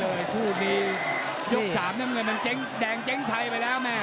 ได้เลยคู่นี้ยก๓น้ำเงินมันแดงเจ๊งชัยไปแล้วแม่